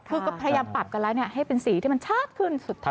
คือก็พยายามปรับกันแล้วให้เป็นสีที่มันชัดขึ้นสุดท้าย